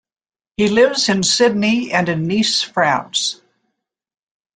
He lives in Sydney and in Nice, France.